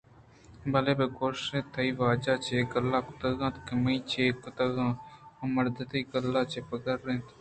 بلئے بہ گوٛش تئی واجہ ءَ چے گلہ کُتگ کہ من چےکُتگ آں؟ آمرد ءَ تئی گلہ ءِ چے پکار اِنت ؟ماسٹرءَ جست کُت